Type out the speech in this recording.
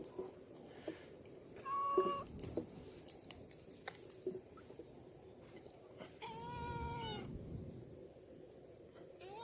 สวัสดีครับ